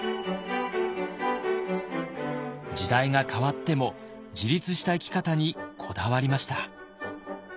時代が変わっても自立した生き方にこだわりました。